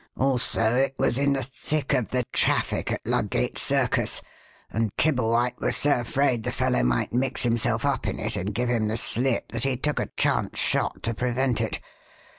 Also, it was in the thick of the traffic at Ludgate Circus, and Kibblewhite was so afraid the fellow might mix himself up in it and give him the slip that he took a chance shot to prevent it.